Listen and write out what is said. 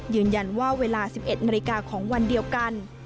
ยืนยันว่าเวลา๑๑นาฬิกาของวันเดียวกัน